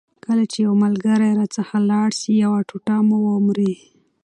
کله چي یو ملګری راڅخه لاړ سي یو ټوټه مو ومري.